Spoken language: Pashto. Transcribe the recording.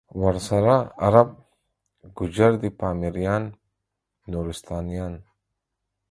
ورسره عرب، گوجر دی پامیریان، نورستانیان